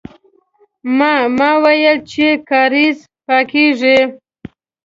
ما، ما ويل چې کارېز پاکيږي.